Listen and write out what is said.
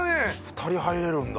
２人入れるんだ。